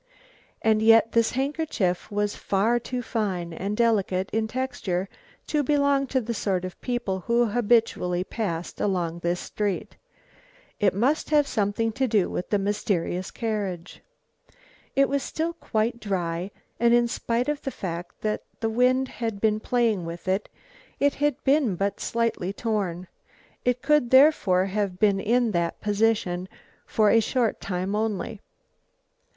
And yet this handkerchief was far too fine and delicate in texture to belong to the sort of people who habitually passed along this street. It must have something to do with the mysterious carriage. It was still quite dry, and in spite of the fact that the wind had been playing with it, it had been but slightly torn. It could therefore have been in that position for a short time only.